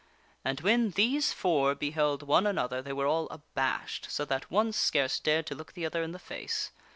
And when these four beheld one another they were all abashed so that one scarce dared to look the other in the face.